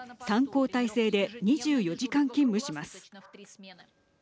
３交代制で２４時間勤務します。